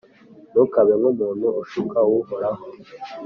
ntukabe nk’umuntu ushuka Uhoraho.